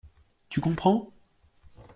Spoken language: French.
Tu comprends?